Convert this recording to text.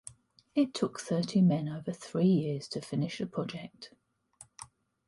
It took thirty men over three years to finish the project.